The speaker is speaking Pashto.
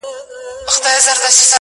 تر منګوټي لاندي به سپیني اوږې وځلېدې!